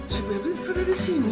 si bebek ada di sini